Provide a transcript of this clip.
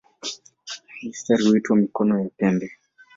Mistari huitwa "mikono" ya pembe.